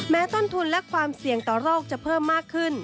ต้นทุนและความเสี่ยงต่อโรคจะเพิ่มมากขึ้น